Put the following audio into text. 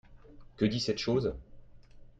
Que dit cette chose ?